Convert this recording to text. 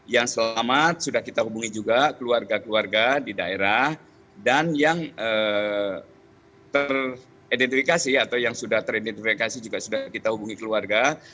yang selamat sudah kita hubungi juga keluarga keluarga di daerah dan yang teridentifikasi atau yang sudah teridentifikasi juga sudah kita hubungi keluarga